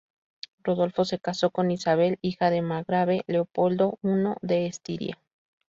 Rodolfo se casó con Isabel, hija de margrave Leopoldo I de Estiria.